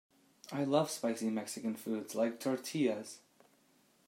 I love spicy Mexican food like tortillas.